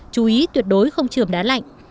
chú ý tuyệt đối không trường đá lạnh